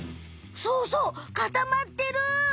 そうそう固まってる！